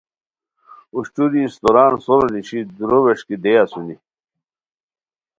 اوشٹوری اِستوران سورو نیشی دورو ویݰکی دے اسونی